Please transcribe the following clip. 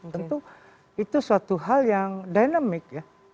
tentu itu suatu hal yang dynamic ya